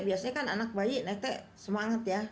biasanya kan anak bayi netek semangat ya